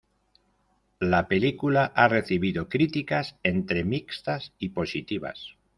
La película ha recibido críticas entre mixtas y positivas.